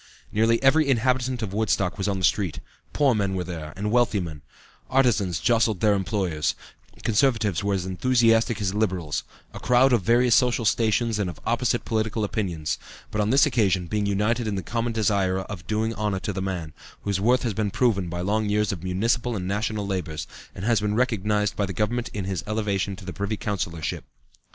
Nearly every inhabitant of Woodstock was on the street. Poor men were there; and wealthy men; artisans jostled their employers; Conservatives were as enthusiastic as Liberals, a crowd of various social stations and of opposite political opinions, but on this occasion being united in the common desire of doing honor to the man, whose worth has been proven by long years of municipal and national labors, and has been recognized by the Government in his elevation to the Privy Councillorship."